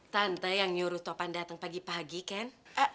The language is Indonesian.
tante yang nyuruh topan datang pagi pagi kan